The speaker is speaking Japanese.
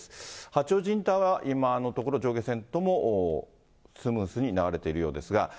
八王子インターは今のところ、上下線ともスムーズに流れているようですが。